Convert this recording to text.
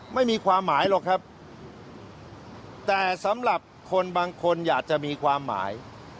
ไม่มีความหมายหรอกครับแต่สำหรับคนบางคนอยากจะมีความหมาย